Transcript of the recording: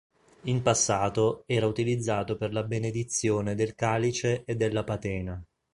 In passato era utilizzato per la benedizione del calice e della patena.